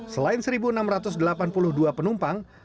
selain satu enam ratus delapan puluh dua penumpang